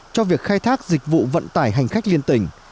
cho việc khai thác dịch vụ vận tải hành khách liên tỉnh